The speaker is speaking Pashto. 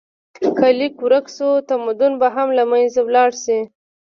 که لیک ورک شو، تمدن به هم له منځه لاړ شي.